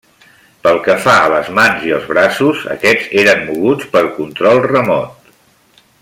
Pel que fa a les mans i els braços, aquests eren moguts per control remot.